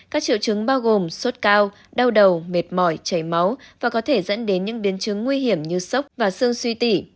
các triệu chứng bao gồm suốt cao đau đầu mệt mỏi chảy máu và có thể dẫn đến những biến chứng nguy hiểm như sốc và sương suy tỉ